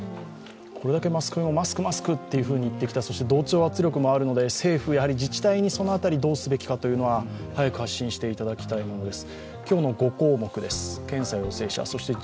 これだけ「マスク」「マスク」と言ってきた、そして同調圧力もあるので政府、自治体にその辺りどうすべきかは早く発信していただきたいものです。